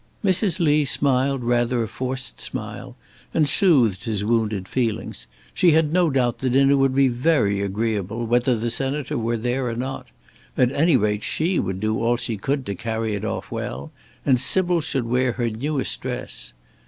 Mrs. Lee smiled rather a forced smile, and soothed his wounded feelings; she had no doubt the dinner would be very agreeable whether the Senator were there or not; at any rate she would do all she could to carry it off well, and Sybil should wear her newest dress.